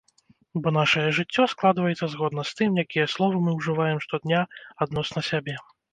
Бо нашае жыццё складваецца згодна з тым, якія словы мы ўжываем штодня адносна сябе.